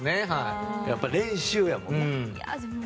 やっぱり練習やもんね。